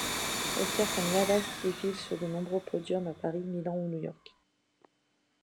Esther Cañadas défile sur de nombreux podiums à Paris, Milan ou New York.